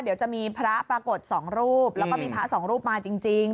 เดี๋ยวจะมีพระปรากฏสองรูปแล้วก็มีพระสองรูปมาจริง